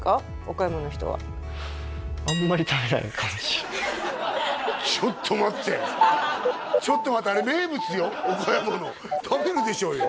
岡山の人はちょっと待ってちょっと待ってあれ名物よ岡山の食べるでしょうよ？